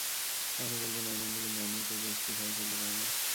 আপনি বলবেন, আইন অন্ধ, কিন্তু অন্ধও তো যষ্টি ছাড়া চলতে পারে না।